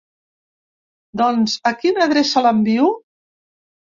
Doncs a quina adreça l'envio?